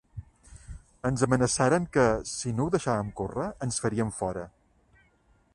Ens amenaçaren que, si no ho deixàvem córrer, ens farien fora.